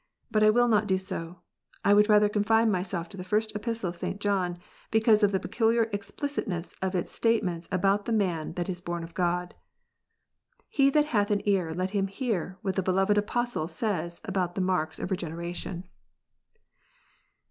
But I will not do so. I would rather ^confine myself to the First Epistle of St. John, because of the * peculiar explicitness of its statements about the man that is Tborn of God. He that hath an ear let him hear what the * Moved Apostle says about the marks of Regeneration.